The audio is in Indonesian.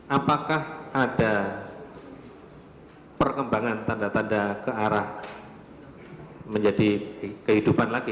apakah ada perkembangan tanda tanda ke arah menjadi kehidupan lagi